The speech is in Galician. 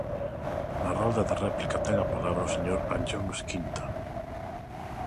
Na rolda de réplica ten a palabra o señor Anllóns Quinta.